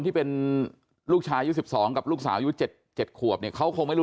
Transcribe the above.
ที่เป็นลูกชายยูด๑๒กับลูกสาวยูด๗คนเขาคงไม่รู้